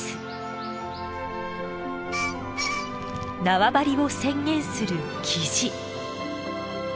縄張りを宣言するキジ。